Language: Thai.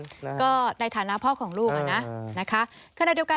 คือเป็นภาพของลูกอะนะ